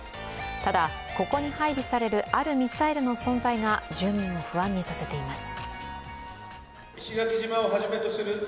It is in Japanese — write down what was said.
ただ、ここに配備されるあるミサイルの存在が住民を不安にさせています。